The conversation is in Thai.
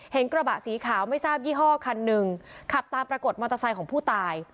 กระบะสีขาวไม่ทราบยี่ห้อคันหนึ่งขับตามปรากฏมอเตอร์ไซค์ของผู้ตาย